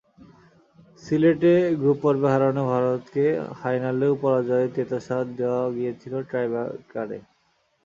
সিলেটে গ্রুপ পর্বে হারানো ভারতকে ফাইনালেও পরাজয়ের তেতো স্বাদ দেওয়া গিয়েছিল টাইব্রেকারে।